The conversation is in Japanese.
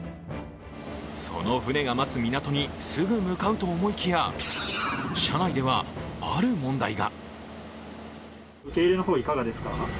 その船が待つ港にすぐ向かうと思いきや、車内ではある問題が。